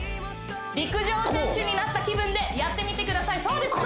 陸上選手になった気分でやってみてくださいそうです